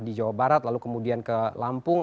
di jawa barat lalu kemudian ke lampung